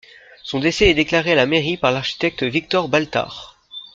Son décès est déclaré à la mairie par l'architecte Victor Baltard.